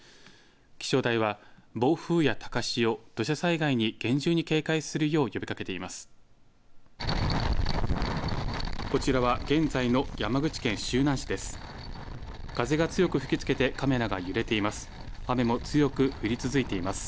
気象台は暴風や高潮、土砂災害に厳重に警戒するよう呼びかけています。